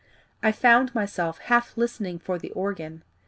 I found myself half listening for the organ.